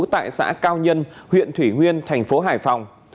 tại xã cao nhân huyện thủy nguyên thành phố hải phòng